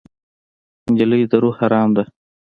نجلۍ د روح ارام ده.